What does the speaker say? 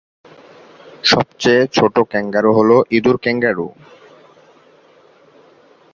সবচেয়ে ছোট ক্যাঙ্গারু হল ইঁদুর-ক্যাঙ্গারু।